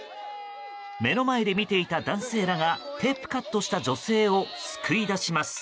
目の前で見ていた男性らがテープカットした女性を救い出します。